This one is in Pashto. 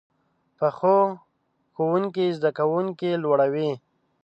پخو ښوونکو زده کوونکي لوړوي